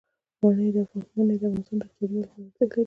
منی د افغانستان د اقتصادي ودې لپاره ارزښت لري.